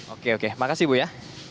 oke oke makasih bu ya